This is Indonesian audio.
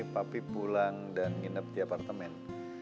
papi pulang dan nginep di apartemen